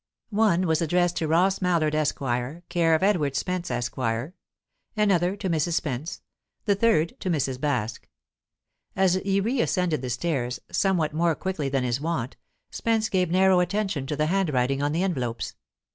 One was addressed to Ross Mallard, Esq., care of Edward Spence, Esq.; another, to Mrs. Spence; the third, to Mrs. Baske. As he reascended the stairs, somewhat more quickly than his wont, Spence gave narrow attention to the handwriting on the envelopes.